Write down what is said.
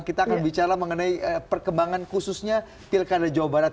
kita akan bicara mengenai perkembangan khususnya pilkada jawa barat